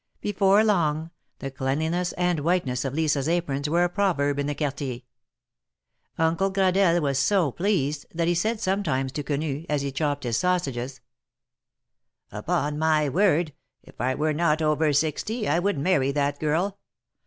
Before long, the cleanliness and whiteness of Lisa's aprons were a proverb in the Quartier. Uncle Gradelle was so pleased that he said sometimes to Quenu, as he chopped his sausages : Upon my word! if I were not over sixty, I would marry that girl